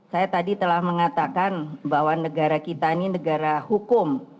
saya tadi telah mengatakan bahwa negara kita ini negara hukum